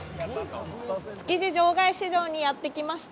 築地場外市場にやってきました。